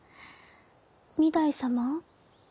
御台様？